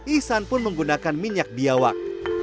ihsan pun menggunakan minyak biawak